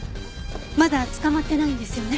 まだ捕まってないんですよね？